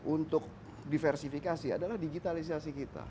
untuk diversifikasi adalah digitalisasi kita